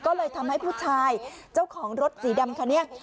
ก็เลยทำให้ผู้ชายเจ้าของรถสีดำคันนี้